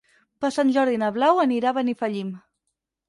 Per Sant Jordi na Blau anirà a Benifallim.